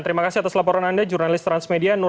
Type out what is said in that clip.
terima kasih atas laporan anda jurnalis transmedia